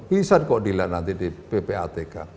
lisan kok dilihat nanti di ppatk